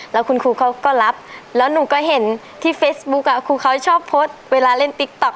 แล้วคุณครูเขาก็รับแล้วหนูก็เห็นที่เฟซบุ๊กครูเขาชอบโพสต์เวลาเล่นติ๊กต๊อก